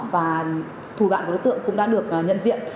và thủ đoạn của đối tượng cũng đã được nhận diện